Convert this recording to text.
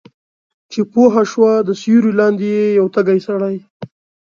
چې پوهه شوه د سیوری لاندې یې یو تږی سړی